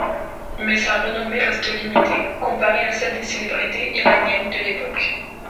Mais sa renommée reste limitée, comparée à celle des célébrités iraniennes de l'époque.